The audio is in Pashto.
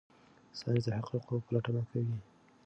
ساینس د حقایقو پلټنه کوي.